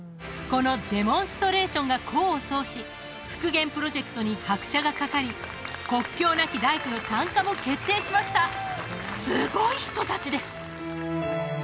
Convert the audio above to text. このデモンストレーションが功を奏し復元プロジェクトに拍車がかかり国境なき大工の参加も決定しましたすごい人達です！